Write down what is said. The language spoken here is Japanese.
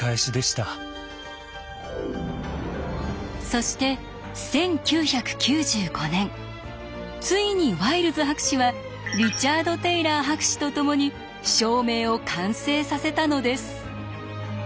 そして１９９５年ついにワイルズ博士はリチャード・テイラー博士と共に証明を完成させたのです。